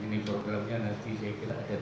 ini programnya nanti saya kira ada